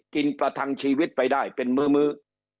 ประทังชีวิตไปได้เป็นมื้อ